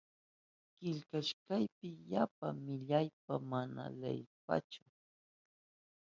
Killkashkayki yapa millaypa mana leyipachu.